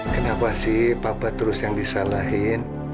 kenapa sih papa terus yang disalahin